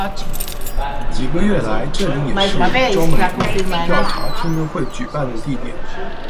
几个月来这里也是 Gomery 调查听证会举办的地点。